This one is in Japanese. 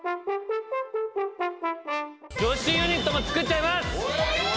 女子ユニットも作っちゃいます！